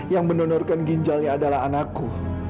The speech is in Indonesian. yang mendonorkan ginjalnya adalah anakku